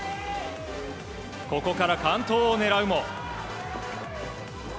ここから完登を狙うも。